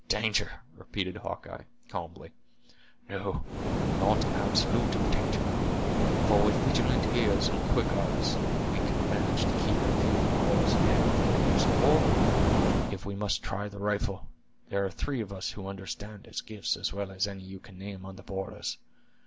"Danger!" repeated Hawkeye, calmly; "no, not absolutely of danger; for, with vigilant ears and quick eyes, we can manage to keep a few hours ahead of the knaves; or, if we must try the rifle, there are three of us who understand its gifts as well as any you can name on the borders.